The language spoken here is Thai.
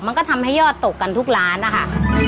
มันก็ทำให้ยอดตกกันทุกร้านนะคะ